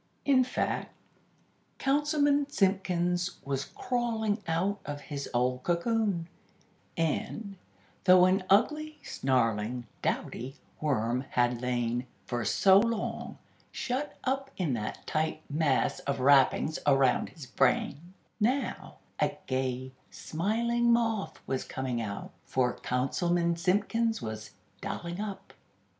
In fact, Councilman Simpkins was crawling out of his old cocoon; and, though an ugly, snarling dowdy worm had lain for so long, shut up in that tight mass of wrappings around his brain, now a gay, smiling moth was coming out; for Councilman Simpkins was "dolling up!"